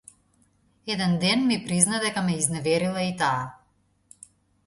Еден ден ми призна дека ме изневерила и таа.